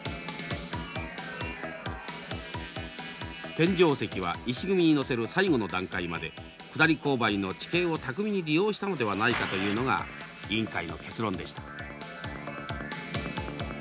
天井石は石組みに載せる最後の段階まで下り勾配の地形を巧みに利用したのではないかというのが委員会の結論でした。